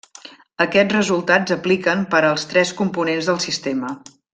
Aquests resultats apliquen per als tres components del sistema.